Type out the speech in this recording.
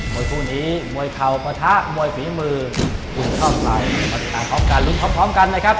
มวยภูนิมวยเข่าประทะมวยฝีมือรุ่นทอดสายรุ่นทอดพร้อมกันนะครับ